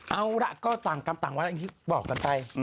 เอาล่ะก็ต่างวันที่บอกกันไป